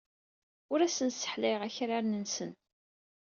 Ur asen-sseḥlayeɣ akraren-nsen.